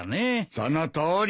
そのとおり。